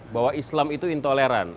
bahwa islam itu intoleran